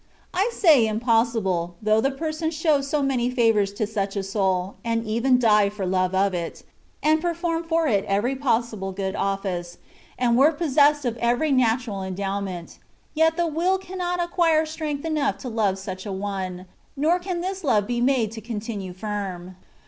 I say ^^ impossible,^^ though the person showed so many favoiu's to such a soul, and even die for love of it, and perform for it THE WAY OF PERFECTION. S3 every possible good office, and were possessed of every natural endowment; yet the will cannot acquire strength enough to love such an one, nor can this love be made to continue firm.